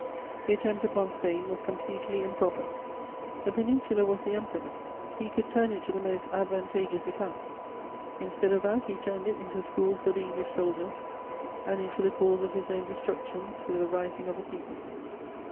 The attempt upon Spain was completely improper: the Peninsula was the Emperor's; he could turn it to the most advantageous account: instead of that, he turned it into a school for the English soldiers and into the cause of his own destruction through the rising of a people.